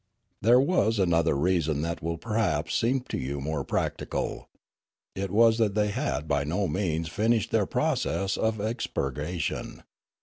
" There was another reason that will perhaps seem to 5'ou more practical. It was that they had by no means finished their process of expurgation.